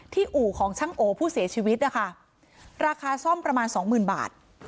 อู่ของช่างโอผู้เสียชีวิตนะคะราคาซ่อมประมาณสองหมื่นบาท